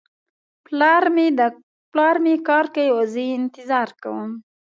پلار مې کار کوي او زه یې انتظار کوم